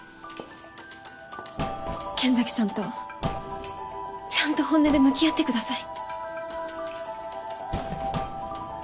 剣崎さんとちゃんと本音で向き合ってください。